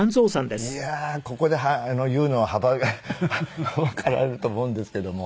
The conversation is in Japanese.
いやーここで言うのははばかられると思うんですけども。